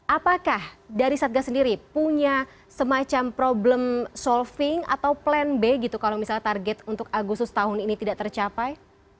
apakah dari satga sendiri punya semacam problem solving atau plan b gitu kalau misalnya target untuk agustus tahun ini tidak tercapai